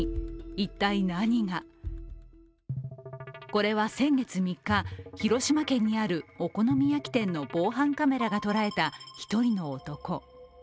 一体何がこれは先月３日、広島県にあるお好み焼き店の防犯カメラが捉えた１人の男。